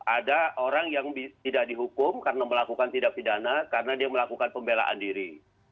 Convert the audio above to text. ada orang yang tidak dihukum karena melakukan tidak pidana karena dia melakukan pembelaan diri